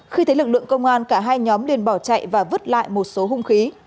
khi thấy lực lượng công an cả hai nhóm liền bỏ chạy và vứt lại một số hung khí